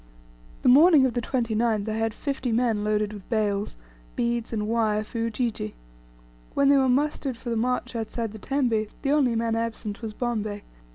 The morning of the 29th I had fifty men loaded with bales, beads, and wire, for Ujiji. When they were mustered for the march outside the tembe, the only man absent was Bombay.